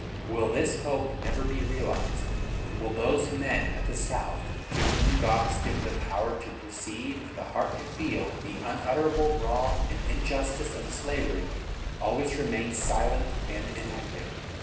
Will this hope never be realized? Will those men at the South, to whom God has given the power to perceive and the heart to feel the unutterable wrong and injustice of slavery, always remain silent and inactive?